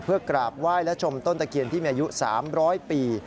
เพื่อกราบไหว้และชมต้นตะเคียนที่มีอายุ๓๐๐ปี